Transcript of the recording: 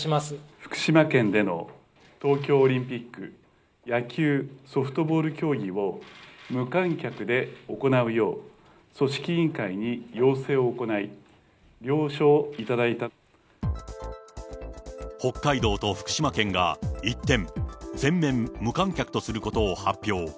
福島県での東京オリンピック、野球・ソフトボール競技を、無観客で行うよう、組織委員会に要請を行い、北海道と福島県が一転、全面無観客とすることを発表。